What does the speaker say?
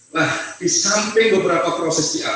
nah di samping beberapa prosesnya ini